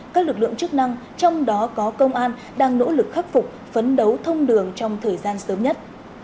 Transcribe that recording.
các lực lượng chức năng trong đó có công an đang nỗ lực khắc phục phấn đấu thông đường trong thời gian sớm nhất